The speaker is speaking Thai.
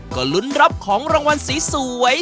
ก็ลุ้นรับของรางวัลสวย